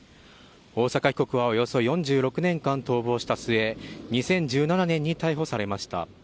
大坂被告はおよそ４６年間逃亡した末、２０１７年に逮捕されました。